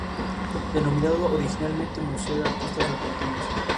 Denominado originalmente Museo de Artistas Argentinos.